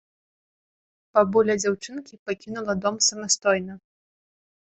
Бабуля дзяўчынкі пакінула дом самастойна.